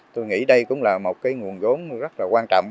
tôi nghĩ đây cũng là một nguồn vốn rất quan trọng